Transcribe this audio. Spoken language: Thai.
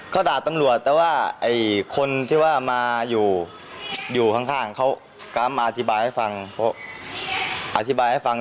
เขาด่าตำรวจแต่ว่าคนที่ว่ามาอยู่อยู่ข้างเขากำมาอธิบายให้ฟังเพราะอธิบายให้ฟัง